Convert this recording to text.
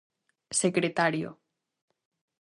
Secretario.